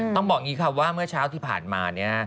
ต้องบอกอย่างนี้ค่ะว่าเมื่อเช้าที่ผ่านมาเนี่ย